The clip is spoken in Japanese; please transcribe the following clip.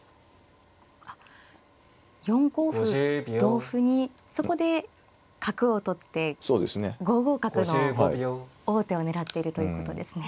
あっ４五歩同歩にそこで角を取って５五角の王手を狙っているということですね。